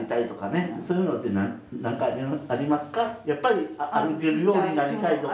やっぱり歩けるようになりたいとか。